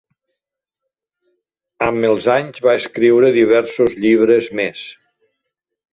Amb els anys, va escriure diversos llibres més.